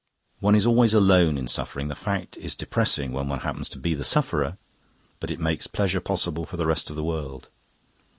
One is always alone in suffering; the fact is depressing when one happens to be the sufferer, but it makes pleasure possible for the rest of the world."